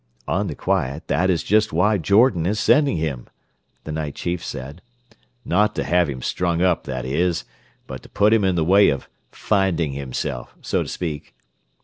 "On the quiet, that is just why Jordan is sending him," the night chief said. "Not to have him strung up, that is, but to put him in the way of 'finding himself,' so to speak."